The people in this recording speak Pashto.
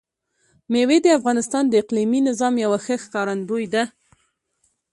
مېوې د افغانستان د اقلیمي نظام یوه ښه ښکارندوی ده.